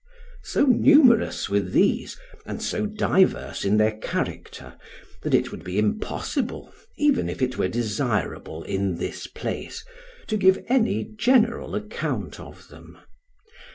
So numerous were these and so diverse in their character that it would be impossible, even if it were desirable in this place, to give any general account of them.